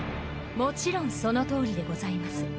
もちろんその通りでございます。